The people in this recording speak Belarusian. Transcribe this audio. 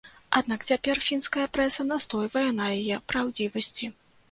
Аднак цяпер фінская прэса настойвае на яе праўдзівасці.